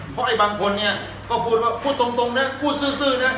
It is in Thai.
เพราะไอ้บางคนเนี้ยก็พูดว่าพูดตรงตรงเนี้ยพูดซื่อซื่อเนี้ย